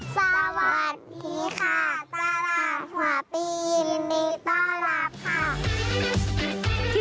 สวัสดีค่ะตลาดหัวปีนนี้ต้อนรับค่ะ